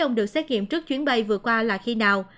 ông được xét nghiệm trước chuyến bay vừa qua là khi nào